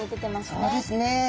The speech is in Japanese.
そうですね。